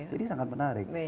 jadi sangat menarik